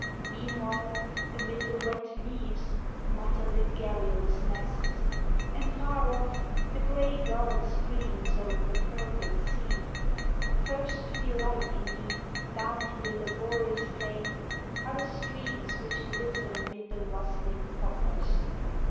Meanwhile amid the wet leaves mutter the garrulous nests, And far off the gray gull screams over the purple sea. First to delight in thee, down in the laborious plain, Are the streams which glisten amid the rustling poplars.